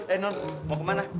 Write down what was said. eh non mau kemana